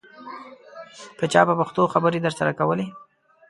که چا په پښتو خبرې درسره کولې.